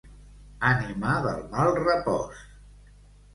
Ànima del mal repòs.